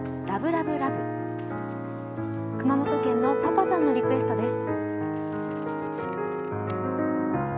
熊本県のパパさんのリクエストです。